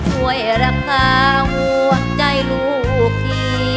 ฮาร์ทร้อง